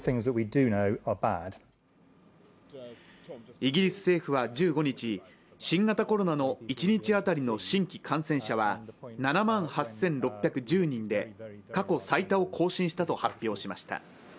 イギリス政府は１５日、新型コロナの一日当たりの新規感染者は７万８６１０人で過去最多を更新したと発表しました。